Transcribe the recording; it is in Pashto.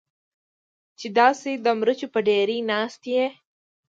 چې داسې د مرچو په ډېرۍ ناسته یې.